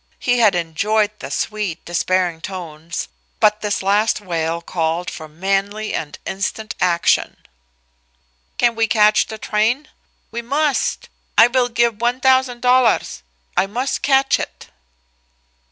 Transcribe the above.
He had enjoyed the sweet, despairing tones, but this last wail called for manly and instant action. "Can we catch the train? We must! I will give one thousand dollars. I must catch it."